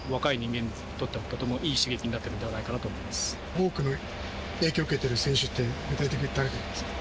多く影響受けてる選手って具体的に誰がいますか？